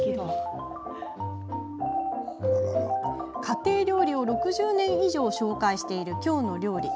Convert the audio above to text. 家庭料理を６０年以上紹介している「きょうの料理」。